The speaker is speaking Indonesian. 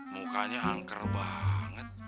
mukanya angker banget